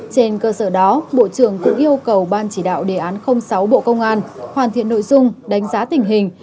trên cơ sở đó bộ trưởng cũng yêu cầu ban chỉ đạo đề án sáu bộ công an hoàn thiện nội dung đánh giá tình hình